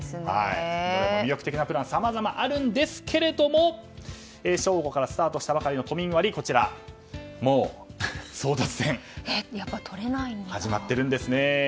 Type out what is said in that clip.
魅力的なプランさまざまあるんですが正午からスタートしたばかりの都民割はもう争奪戦が始まっているんですね。